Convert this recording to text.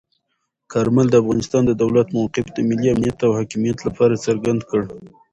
کارمل د افغانستان د دولت موقف د ملي امنیت او حاکمیت لپاره څرګند کړ.